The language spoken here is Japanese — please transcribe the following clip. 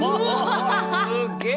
すげえ。